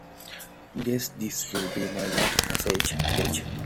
Guess this will be my last message.